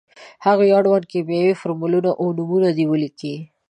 هغو اړوند کیمیاوي فورمولونه او نومونه دې ولیکي.